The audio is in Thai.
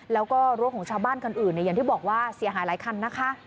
แล้วก็รถของชาวบ้านคันอื่นอย่างที่บอกว่าเสียหายหลายคันนะคะ